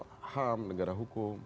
soal ham negara hukum